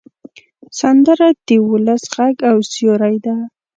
سندره د ولس غږ او سیوری ده